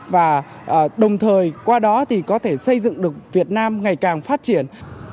và đồng thời qua đó thì có thể xây dựng được việt nam ngày càng phát triển